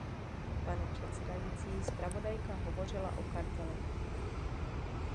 Pane předsedající, zpravodajka hovořila o kartelech.